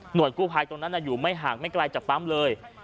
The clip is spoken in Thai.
กู้ภัยตรงนั้นอยู่ไม่ห่างไม่ไกลจากปั๊มเลย